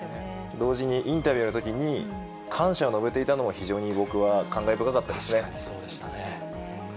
同時にインタビューのときに感謝を述べていたのも、非常に僕は感確かにそうでしたね。